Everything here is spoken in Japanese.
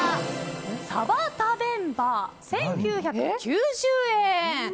サバタベンバ、１９９０円。